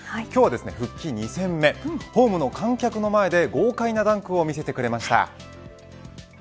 今日は復帰２戦目ホームの観客の前で豪快なダンクを見せてくれました。